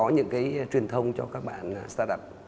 những cái truyền thông cho các bạn start up